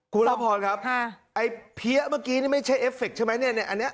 คุณละพอร์นครับไอ้เบี๊ยะเมื่อกี้นี่ไม่ใช่เอฟเฟกส์ใช่ไหมเนี่ย